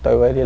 tôi vô trường